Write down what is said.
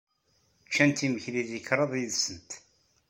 Ččant imekli deg kraḍ yid-sent.